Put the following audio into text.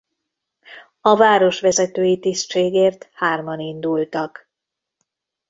A városvezetői tisztségért hárman indultak.